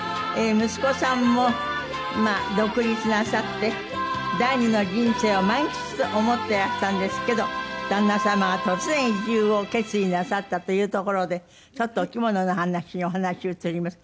息子さんも独立なさって第二の人生を満喫と思ってらしたんですけど旦那様が突然移住を決意なさったというところでちょっとお着物の話にお話移ります。